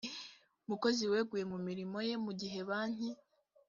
mukozi weguye ku mirimo ye mu gihe banki